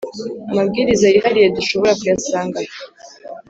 amabwiriza y’ihariye dushobora kuyasanga he